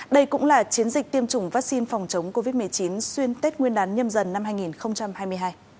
đây cũng là chiến dịch tiêm chủng vaccine phòng chống covid một mươi chín xuyên tết nguyên đán nhâm dần năm hai nghìn hai mươi hai